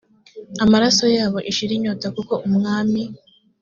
amaraso yabo ishire inyota kuko umwami